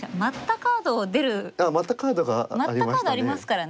カード」ありますからね。